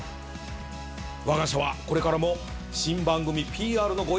わが社はこれからも新番組ＰＲのご依頼